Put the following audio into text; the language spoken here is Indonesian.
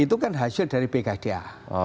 itu kan hasil dari bkda